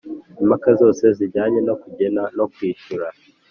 Impaka zose zijyanye no kugena no kwishyura